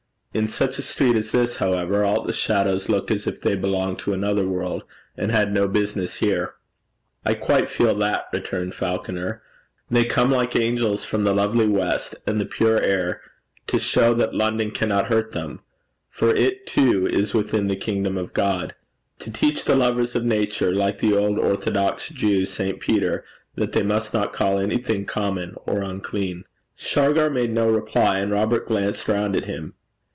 In such a street as this, however, all the shadows look as if they belonged to another world, and had no business here.' 'I quite feel that,' returned Falconer. 'They come like angels from the lovely west and the pure air, to show that London cannot hurt them, for it too is within the Kingdom of God to teach the lovers of nature, like the old orthodox Jew, St. Peter, that they must not call anything common or unclean.' Shargar made no reply, and Robert glanced round at him.